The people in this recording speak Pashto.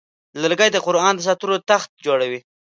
لرګی د قرآن د ساتلو تخت جوړوي.